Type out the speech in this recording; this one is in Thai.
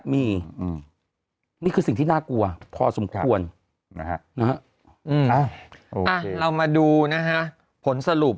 มีนี่คือสิ่งที่น่ากลัวพอสมควรนะฮะเรามาดูนะฮะผลสรุป